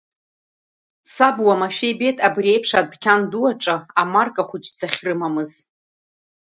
Саб уамашәа ибеит, абри еиԥш адәқьан ду аҿы амарка хәыҷӡа ахьрымамыз.